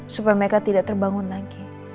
supaya mereka tidak terbangun lagi